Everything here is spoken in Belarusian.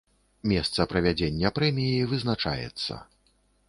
Месца правядзення прэміі вызначаецца.